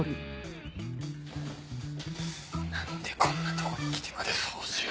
何でこんなとこに来てまで掃除を。